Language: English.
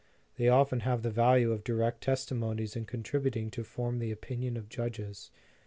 They often have the value of direct testimonies in contributing to form the opinion of judges.